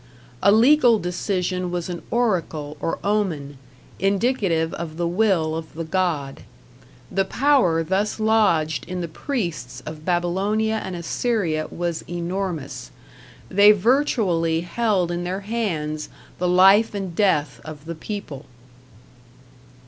A legal decision was an oracle or omen, indicative of the will of the god. The power thus lodged in the priests of Babylonia and Assyria was enormous. They virtually held in their hands the life and death of the people.